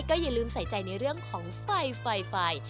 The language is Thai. อย่าลืมใส่ใจในเรื่องของไฟไฟ